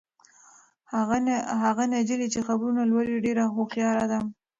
هغه نجلۍ چې خبرونه لولي ډېره هوښیاره ده.